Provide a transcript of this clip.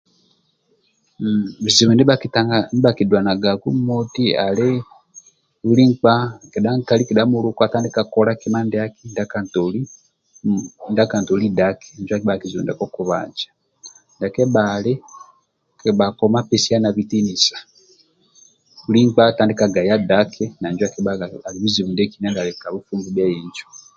Buzibu ndia bhakiduanagaku moti ali buli nkpa kedha muluku kedha nkali atandika kola kima ndia kantoli daki ndia kebhali kabha koma pesiana bitinisa buli nkpa atandika gaya daki na injo ali buzibu ndia akibhaga ka bufumbu bie injo